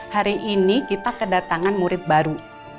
hari ini kita kedatangan murid baru